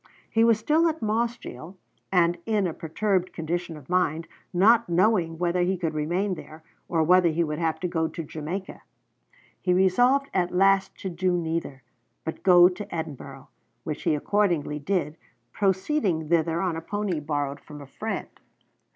He was still at Mossgiel, and in a perturbed condition of mind, not knowing whether he could remain there, or whether he would have to go to Jamaica. He resolved at last to do neither, but to go to Edinburgh, which he accordingly did, proceeding thither on a pony borrowed from a friend.